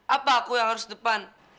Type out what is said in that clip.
apa apapun yang bermanfaat untuk kita berdua